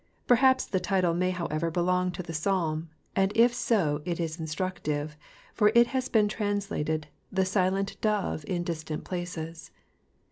Perhaps the title may however hekmg to the Psalm, and if so it is instruetijfe, for U has been translated *'lhe silent dove in distani places.'